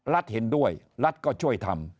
เห็นด้วยรัฐก็ช่วยทำ